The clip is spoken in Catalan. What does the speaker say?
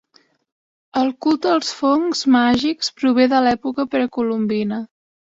El culte als fongs màgics prové de l'època precolombina.